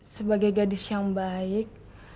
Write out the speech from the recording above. sebagai gadis yang baik